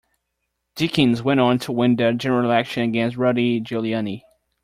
Dinkins went on to win the general election against Rudy Giuliani.